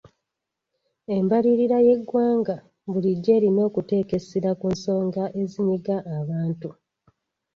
Embalirira y'eggwanga bulijjo erina okuteeka essira ku nsonga ezinyiga abantu.